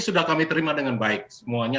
sudah kami terima dengan baik semuanya